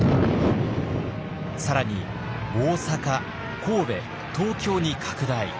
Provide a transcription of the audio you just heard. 更に大阪神戸東京に拡大。